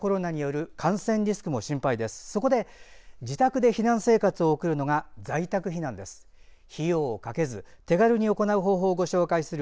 そこで自宅で避難生活を送るのが在宅避難です。